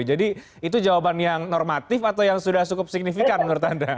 itu jawaban yang normatif atau yang sudah cukup signifikan menurut anda